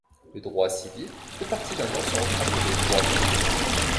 Le droit civil fait partie d'un ensemble appelé Droit Privé.